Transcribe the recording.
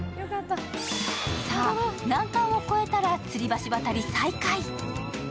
さあ、難関を越えたらつり橋渡り再開。